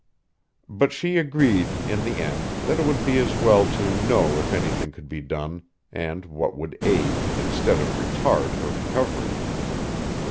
But she agreed in the end that it would be as well to know if anything could be done and what would aid instead of retard her recovery.